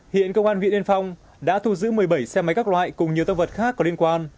hiện cơ quan huyện yên phong đã thu giữ một mươi bảy xe máy các loại cùng nhiều tác vật khác có liên quan